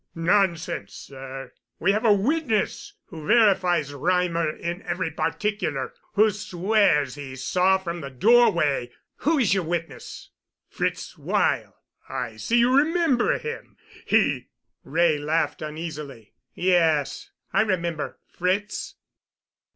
"Nonsense, sir. We have a witness who verifies Reimer in every particular, who swears he saw from the doorway——" "Who is your witness?" "Fritz Weyl—I see you remember him. He——" Wray laughed uneasily. "Yes, I remember Fritz?"